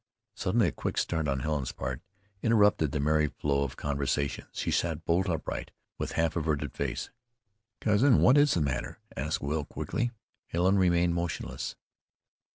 Suddenly a quick start on Helen's part interrupted the merry flow of conversation. She sat bolt upright with half averted face. "Cousin, what is the matter?" asked Will, quickly. Helen remained motionless.